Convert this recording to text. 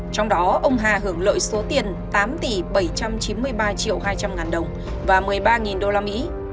trong đó ông hà hưởng lợi số tiền tám tỷ bảy trăm chín mươi ba triệu hai trăm linh ngàn đồng và một mươi ba đô la mỹ